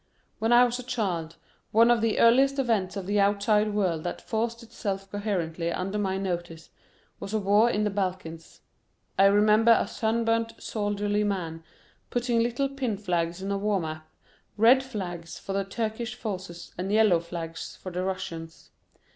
When I was a child one of the earliest events of the outside world that forced itself coherently under my notice was a war in the Balkans; I remember a sunburnt, soldierly man putting little pin flags in a war map, red flags for the Turkish forces and yellow flags for the Russians.